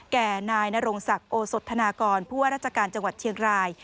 แก่นายนรงศักดิ์โอสธนากรผู้ว่าราชการจังหวัดเชียงราย